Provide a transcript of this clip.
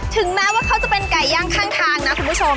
ถึงแม้ว่าเขาจะเป็นไก่ย่างข้างทางนะคุณผู้ชม